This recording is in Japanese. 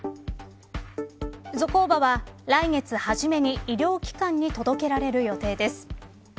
ゾコーバは、来月初めに医療機関に届けられる予定です。